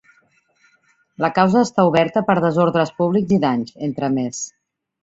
La causa està oberta per desordres públics i danys, entre més.